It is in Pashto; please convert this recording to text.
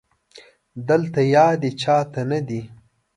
دلته يادې چا ته نه دي